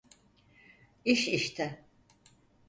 İş işte.